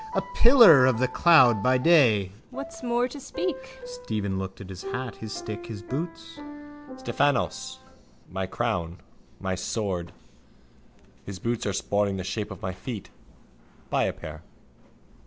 A pillar of the cloud by day. What more's to speak? Stephen looked on his hat, his stick, his boots. Stephanos, my crown. My sword. His boots are spoiling the shape of my feet. Buy a pair.